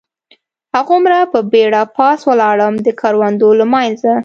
هغومره په بېړه پاس ولاړم، د کروندو له منځه.